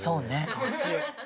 どうしよう。